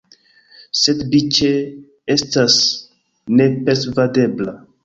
Sed Biĉe estas nepersvadebla.